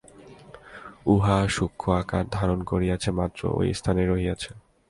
উহা সূক্ষ্ম আকার ধারণ করিয়াছে মাত্র, ঐ স্থানেই রহিয়াছে।